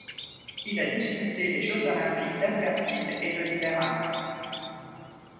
Il a disputé les jeux olympiques d'Albertville et de Lillehammer.